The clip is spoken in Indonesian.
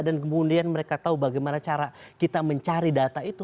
dan kemudian mereka tahu bagaimana cara kita mencari data itu